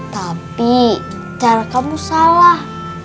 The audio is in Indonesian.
tapi cara kamu salah